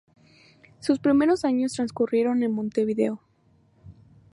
Sus primeros años transcurrieron en Montevideo.